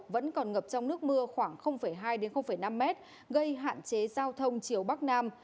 vẫn còn ngập trong nước mưa khoảng hai năm mét gây hạn chế giao thông chiều bắc nam